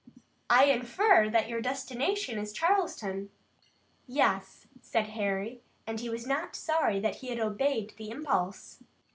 I infer that your destination is Charleston!" "Yes," said Harry impulsively, and he was not sorry that he had obeyed the impulse.